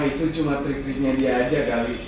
ah itu cuma trik triknya dia aja kali